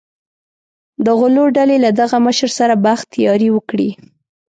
د غلو ډلې له دغه مشر سره بخت یاري وکړي.